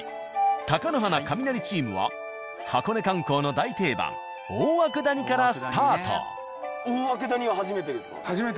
貴乃花カミナリチームは箱根観光の大定番大涌谷からスタート。